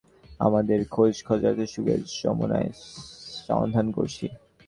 আমাদের খোঁজকর্তাদের যুগের নমুনার সন্ধান করছি।